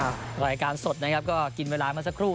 รายการสดนะครับก็กินเวลามาสักครู่